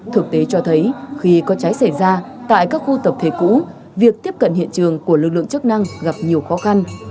thực tế cho thấy khi có cháy xảy ra tại các khu tập thể cũ việc tiếp cận hiện trường của lực lượng chức năng gặp nhiều khó khăn